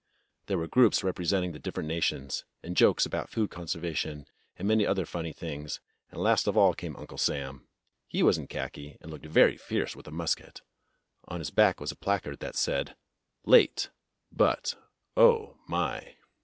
There were groups representing the different nations, and jokes about food conservation and many other funny things, and last of all came Uncle Sam. He was in kliaki, and looked very fierce with a musket'. On his back was a placard that said, "Late, but, oh, my!"